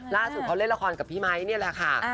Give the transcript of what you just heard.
ล่าสุดเขาเล่นละครกับพี่ไมค์นี่แหละค่ะ